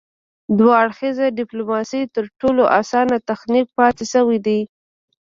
دوه اړخیزه ډیپلوماسي تر ټولو اسانه تخنیک پاتې شوی دی